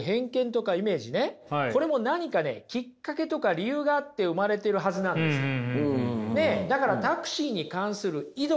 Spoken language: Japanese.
これも何かねきっかけとか理由があって生まれてるはずなんですよ。